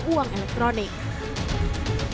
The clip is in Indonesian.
uang elektronik di dunia